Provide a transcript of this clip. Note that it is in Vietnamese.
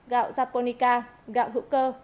gạo japonica gạo hữu cơ